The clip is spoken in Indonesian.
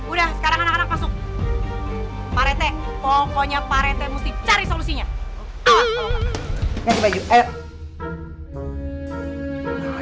udah sekarang anak anak masuk pak rete pokoknya pak rete mesti cari solusinya